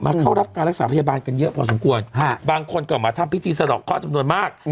เข้ารับการรักษาพยาบาลกันเยอะพอสมควรบางคนก็มาทำพิธีสะดอกข้อจำนวนมาก